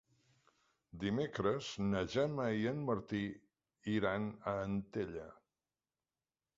Dimecres na Gemma i en Martí iran a Antella.